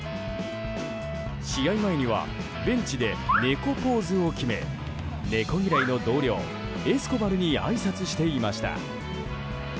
試合前にはベンチで猫ポーズを決め猫嫌いの同僚エスコバルにあいさつしていました。